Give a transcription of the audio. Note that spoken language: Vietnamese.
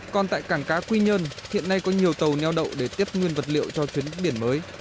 còn tại cảng cá quy nhơn hiện nay có nhiều tàu neo đậu để tiếp nguyên vật liệu cho chuyến biển mới